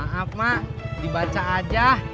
maaf mbak dibaca aja